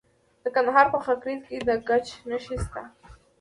د کندهار په خاکریز کې د ګچ نښې شته.